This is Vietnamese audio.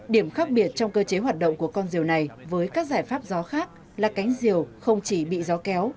điểm khác biệt trong cơ chế hoạt động của con rìu này với các giải pháp gió khác là cánh diều không chỉ bị gió kéo